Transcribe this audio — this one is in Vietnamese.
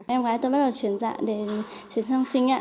em gái tôi bắt đầu chuyển dạng đến truyền thông sinh ạ